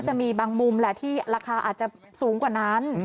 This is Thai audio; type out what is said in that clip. จะมีบางมุมแหละที่ราคาอาจจะสูงกว่านั้น